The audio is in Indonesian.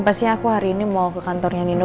pasti aku hari ini mau ke kantornya nino